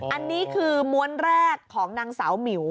อันนี้คือม้วนแรกของนางสาวหมิว